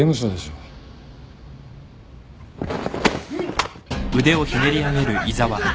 うっ。